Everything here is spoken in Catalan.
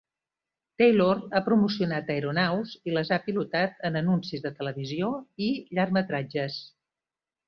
Taylor ha promocionat aeronaus i les ha pilotat en anuncis de televisió i llargmetratges.